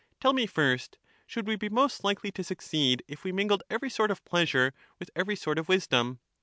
Tell me first ;— should we be most likely to succeed if we mingled every sort of pleasure with every sort of wisdom?